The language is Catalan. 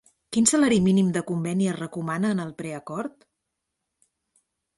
Quin salari mínim de conveni es recomana en el preacord?